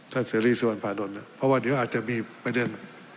ท่านเสรีส่วนผ่านลงนะเพราะว่าเดี๋ยวอาจจะมีไปเดิน